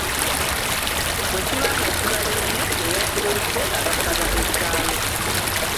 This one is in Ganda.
Bwe kiba nga kibalemye, eyakireese abasaba ekyalo.